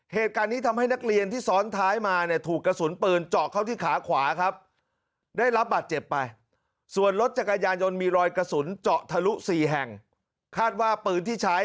เหตุการณ์นี้ทำให้นักเรียนที่ซ้อนท้ายมาถูกกระสุนปืน